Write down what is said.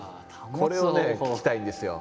これをね聞きたいんですよ。